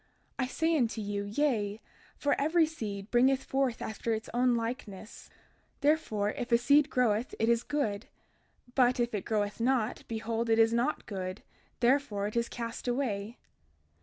I say unto you, Yea; for every seed bringeth forth unto its own likeness. 32:32 Therefore, if a seed groweth it is good, but if it groweth not, behold it is not good, therefore it is cast away.